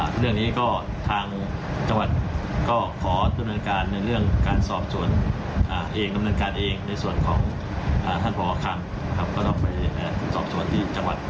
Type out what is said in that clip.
ที่เรามาตรวจสอบจะชาร์จว่านั้นมีบางวันที่ฟังแบนเดือนน้อย